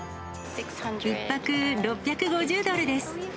１泊６５０ドルです。